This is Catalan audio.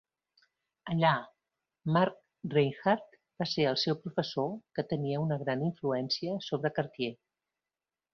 Allà, Max Reinhardt va ser el seu professor, que tenia una gran influencia sobre Cartier.